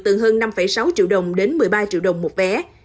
từ hơn năm sáu triệu đồng đến một mươi ba triệu đồng một vé